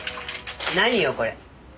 何よこれ。